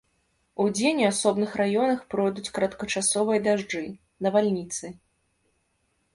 Удзень у асобных раёнах пройдуць кароткачасовыя дажджы, навальніцы.